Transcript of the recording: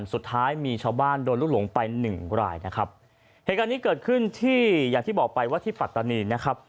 สุดท้ายมีชาวบ้านโดนลูกหลงไปหนึ่งรายนะครับเหตุการณ์นี้เกิดขึ้นที่อย่างที่บอกไปว่าที่ปัตตานีนะครับ